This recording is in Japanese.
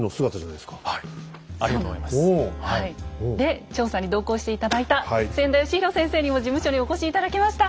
で調査に同行して頂いた千田嘉博先生にも事務所にお越し頂きました。